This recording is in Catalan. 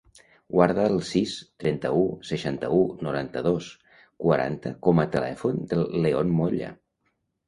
Guarda el sis, trenta-u, seixanta-u, noranta-dos, quaranta com a telèfon del León Molla.